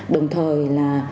đồng thời là